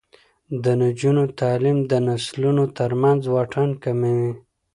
د نجونو تعلیم د نسلونو ترمنځ واټن کموي.